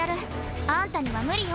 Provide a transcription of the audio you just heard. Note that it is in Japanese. あんたには無理よ。